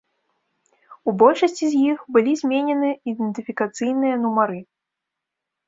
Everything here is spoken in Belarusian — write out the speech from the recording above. У большасці з іх былі зменены ідэнтыфікацыйныя нумары.